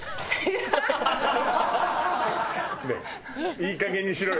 いいかげんにしろよ